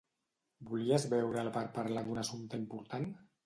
Volies veure-la per parlar d'un assumpte important?